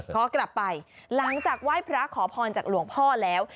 ขอกลับไปหลังจากไหว้พระขอพรจากหลวงพ่อแล้ว